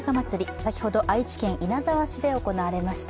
先ほど愛知県稲沢市で行われました。